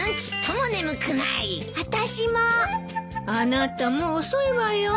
あなたもう遅いわよ。